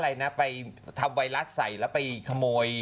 ที่แบบว่าไปทำไวรัสใส่แล้วไปขมวน